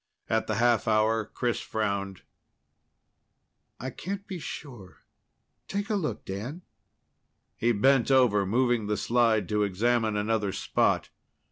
At the half hour, Chris frowned. "I can't be sure take a look, Dan." He bent over, moving the slide to examine another spot.